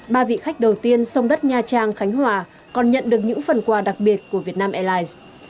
ba vị khách đầu tiên sông đất nha trang khánh hòa còn nhận được những phần quà đặc biệt của vietnam airlines